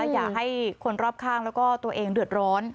อย่าให้คนรอบข้างแล้วก็ตัวเองเดือดร้อน